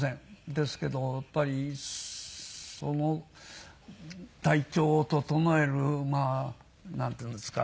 ですけどやっぱりその体調を整えるなんていうんですか。